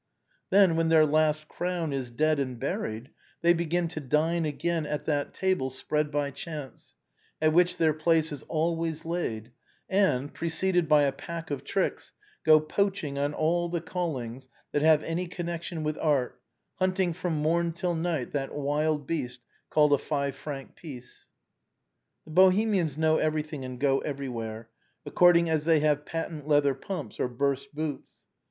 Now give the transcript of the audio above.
Then, when their last crown is dead and buried, they begin to dine again at that table spread by chance, at which their place is always laid, and, preceded by a pack of tricks, go poaching on all the callings that have any connection with art, hunting from morn till night that wild beast called a five franc piece. The Bohemians know everything and go everywhere, ac cording as they have patent leather pumps or burst boots.